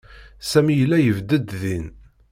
Sami yella yebded din.